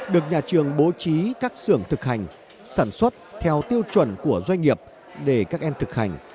được nhà trường bố trí các xưởng thực hành sản xuất theo tiêu chuẩn của doanh nghiệp để các em thực hành